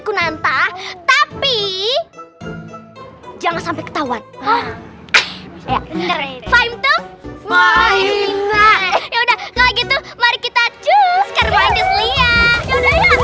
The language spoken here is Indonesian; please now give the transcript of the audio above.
kunanta tapi jangan sampai ketauan hah ya udah lagi itu mari kita cus karena ya udah ya udah